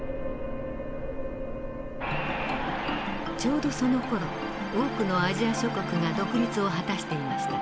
ちょうどそのころ多くのアジア諸国が独立を果たしていました。